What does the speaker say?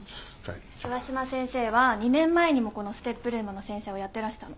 上嶋先生は２年前にもこのＳＴＥＰルームの先生をやってらしたの。